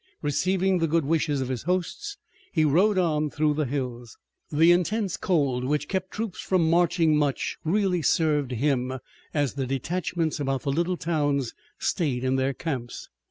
Receiving the good wishes of his hosts he rode on through the hills. The intense cold which kept troops from marching much really served him, as the detachments about the little towns stayed in their camps.